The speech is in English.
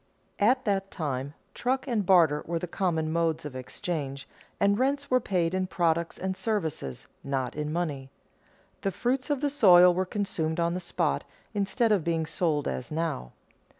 At that time, truck and barter were the common modes of exchange, and rents were paid in products and services, not in money. The fruits of the soil were consumed on the spot instead of being sold as now.